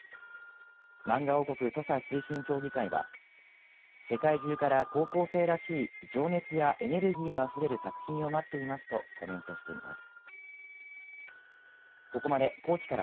まんが王国・土佐推進協議会は世界中から高校生らしい情熱やエネルギーのあふれる作品を待っていますとコメントしています。